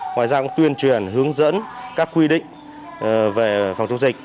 ngoài ra cũng tuyên truyền hướng dẫn các quy định về phòng chống dịch